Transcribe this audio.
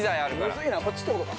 ◆むずいな、こっちってことか。